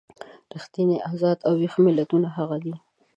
ریښتیني ازاد او ویښ ملتونه هغه دي.